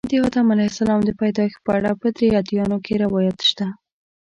د آدم علیه السلام د پیدایښت په اړه په درې ادیانو کې روایات شته.